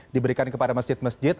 diberikan kepada masjid masjid